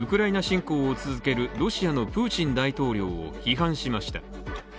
山下泰裕氏がウクライナ侵攻を続けるロシアのプーチン大統領を批判しました。